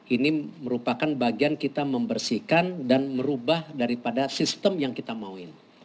ini merupakan bagian kita membersihkan dan merubah daripada sistem yang kita mauin